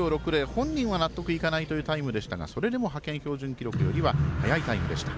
本人は納得いかないというタイムでしたがそれでも派遣標準記録よりは早いタイムでした。